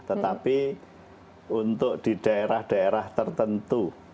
tetapi untuk di daerah daerah tertentu